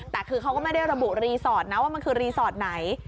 แต่คือเขาก็ไม่ได้ระบุรีสอร์ทนะว่ามันคือรีสอร์ทไหน